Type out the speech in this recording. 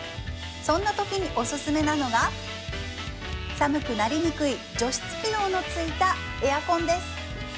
そんなときにおすすめなのが寒くなりにくい除湿機能のついたエアコンです